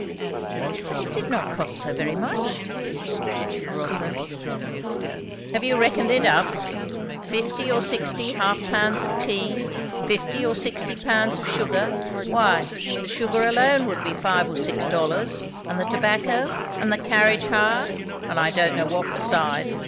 "But it did not cost so very much," objected Rotha. "Have you reckoned it up? Fifty or sixty half pounds of tea, fifty or sixty pounds of sugar, why, the sugar alone would be five or six dollars; and the tobacco, and the carriage hire; and I don't know what beside.